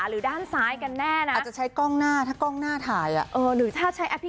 เห็นสายตาแม่ผ่านหรือครับ